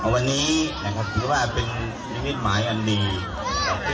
วันนี้ถือว่าเป็นพิมพ์หมายอันดี